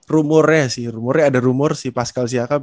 rumornya sih ada rumor si pascal siakam